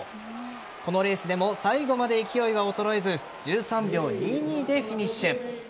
このレースでも最後まで勢いは衰えず１３秒２２でフィニッシュ。